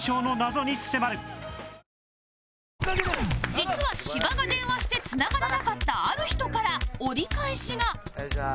実は芝が電話してつながらなかったある人から折り返しが